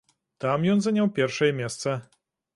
Там ён заняў першае месца.